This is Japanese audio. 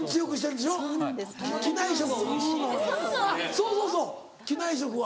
そうそうそう機内食は。